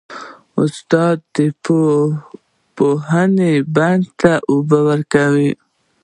استاد د پوهې بڼ ته اوبه ورکوي.